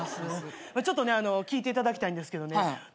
ちょっとね聞いていただきたいんですけど私